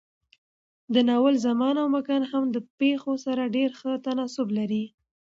د ناول زمان او مکان هم د پېښو سره ډېر ښه تناسب لري.